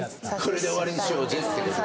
これで終わりにしようぜってこと。